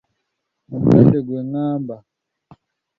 Omuzadde ggwe ngamba.